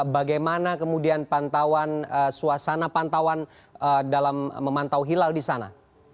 bagaimana kemudian pantauan suasana pantauan dalam memantau hilal di sana